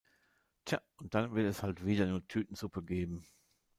Tja, dann wird es halt wieder nur Tütensuppe geben.